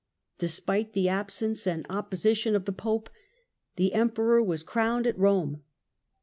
Despite the absence and opposition of the Pope, the Emperor was crowned at Rome.